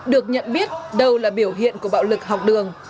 được nhận biết đâu là biểu hiện của bạo lực học đường